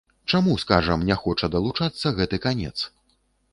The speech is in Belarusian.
Чаму, скажам, не хоча далучацца гэты канец?